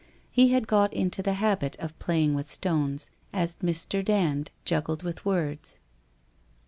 He had got into the habit of playing with stones, as Mr. Dand juggled with words.